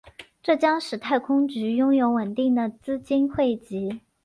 这将使太空局拥有稳定的资金汇集。